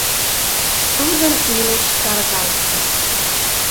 Тудын илыш каргалтын...